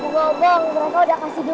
anda ada yang mau kembali kullanakan internet